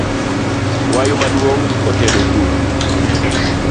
Wayu maduong’ otedo kure?